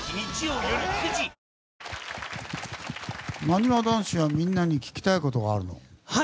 なにわ男子はみんなに聞きたいことがあるの？